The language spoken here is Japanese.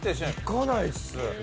行かないっす。